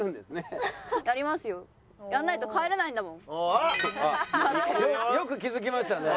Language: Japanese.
あっよく気付きましたね。